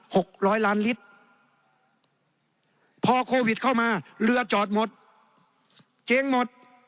หกร้อยล้านลิตรพอโควิดเข้ามาเรือจอดหมดเก๊งหมด